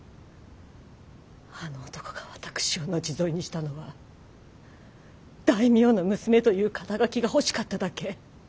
あの男が私を後添えにしたのは大名の娘という肩書が欲しかっただけ。